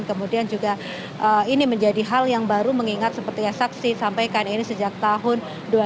kemudian juga ini menjadi hal yang baru mengingat seperti yang saksi sampaikan ini sejak tahun dua ribu dua